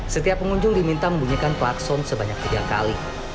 setiap pengunjung diminta membunyikan klakson sebanyak tiga kali